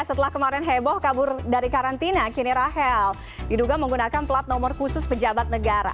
setelah kemarin heboh kabur dari karantina kini rahel diduga menggunakan plat nomor khusus pejabat negara